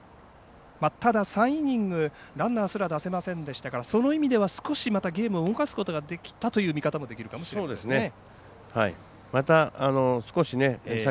ただ３イニング、ランナーすら出せませんでしたからその意味では少しゲームを動かすことができたという見方もできるかもしれません。